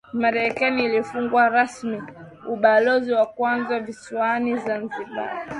Marekani ilifungua rasmi ubalozi wa kwanza visiwani Zanzibar